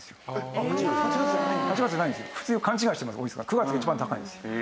９月が一番高いんですよ。